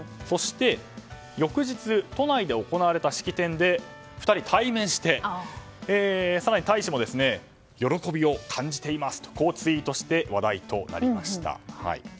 そして、翌日都内で行われた式典で２人、対面して更に大使も喜びを感じていますとツイートして話題となりました。